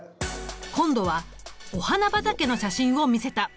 今度はお花畑の写真を見せた。